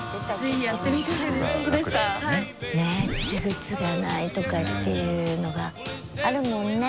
継ぐ継がないとかっていうのがあるもんね。